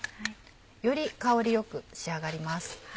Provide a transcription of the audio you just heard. より香り良く仕上がります。